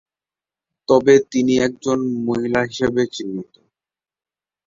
তবে তিনি একজন মহিলা হিসেবে চিহ্নিত।